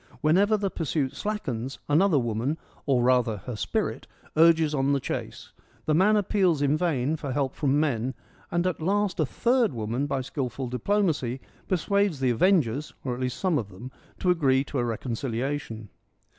Whenever the pursuit slackens, another woman — or rather her spirit — urges on the chase. The man appeals in vain for help from men, and at last a third woman by skilful diplomacy persuades the avengers — or at least some of them — to agree to a reconciliation.